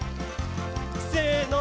せの！